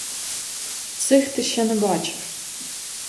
Цих ти ще не бачив.